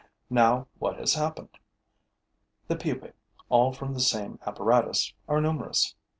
Now what has happened? The pupae, all from the same apparatus, are numerous.